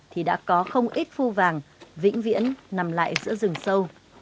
thì đã có không ít phu vàng vĩnh viễn nằm lại giữa rừng sâu